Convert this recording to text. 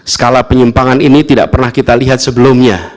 skala penyimpangan ini tidak pernah kita lihat sebelumnya